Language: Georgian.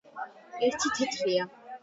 ერთი თეთრია.